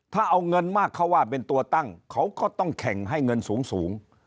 ถ้าเอาเงินมากเขาว่าเป็นตัวตั้งเขาก็ต้องแข่งให้เงินสูง